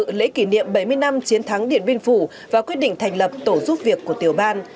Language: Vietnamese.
an ninh trật tự lễ kỷ niệm bảy mươi năm chiến thắng điện biên phủ và quyết định thành lập tổ giúp việc của tiểu ban